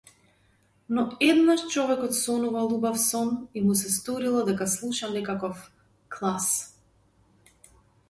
Но еднаш човекот сонувал убав сон и му се сторило дека слуша некаков клас.